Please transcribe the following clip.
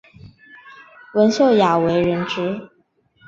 文秀雅为人熟知。